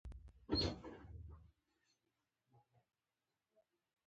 د کاغذ د رنګ بدلون یاد داشت کړئ.